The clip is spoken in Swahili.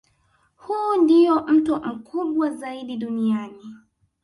Huu ndio mto mkubwa zaidi duniani